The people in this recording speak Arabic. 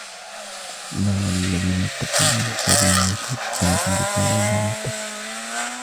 وَمَا عَلَى الَّذِينَ يَتَّقُونَ مِنْ حِسَابِهِمْ مِنْ شَيْءٍ وَلَكِنْ ذِكْرَى لَعَلَّهُمْ يَتَّقُونَ